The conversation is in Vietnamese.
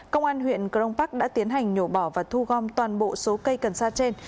công an huyện crong park đã tiến hành nhổ bỏ và thu gom toàn bộ số cây cần sa trên